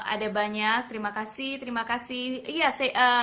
ada banyak terima kasih terima kasih